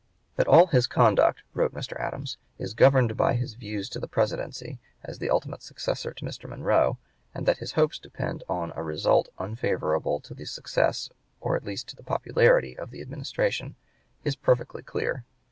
"That all his conduct [wrote Mr. Adams] is governed by his views to the Presidency, as the ultimate successor to Mr. Monroe, and that his hopes depend upon a result unfavorable to the success or at least to the popularity of the Administration, is perfectly clear....